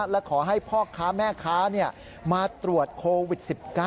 และขอให้พ่อค้าแม่ค้ามาตรวจโควิด๑๙